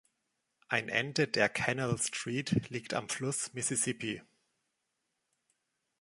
Ein Ende der Canal Street liegt am Fluss Mississippi.